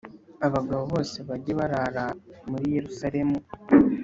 abagabo bose bajye barara muri Yerusalemu